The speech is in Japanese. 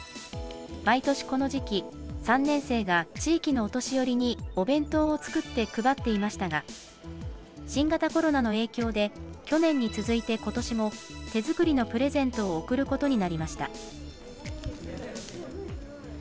毎年この時期、３年生が地域のお年寄りにお弁当を作って配っていましたが、新型コロナの影響で去年に続いて、ことしも、手作りのプレゼントを贈ることになりました。